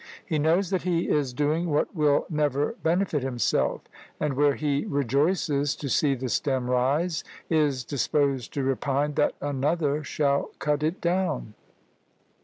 He knows that he is doing what will never benefit himself; and where he rejoices to see the stem rise, is disposed to repine that another shall cut it down."